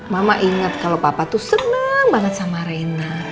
mama ingat kalau papa tuh seneng banget sama rena